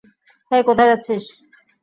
হেই, কোথায় যাচ্ছিস?